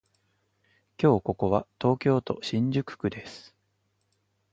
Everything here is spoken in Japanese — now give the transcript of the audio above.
今日はここは東京都新宿区です